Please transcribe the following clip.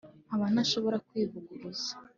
nkaba ntashobora kwivuguruza